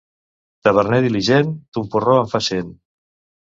Taverner diligent, d'un porró en fa cent.